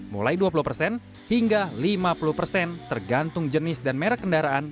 mulai dua puluh persen hingga lima puluh persen tergantung jenis dan merek kendaraan